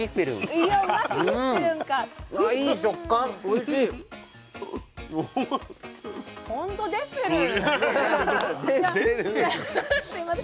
いやすいません。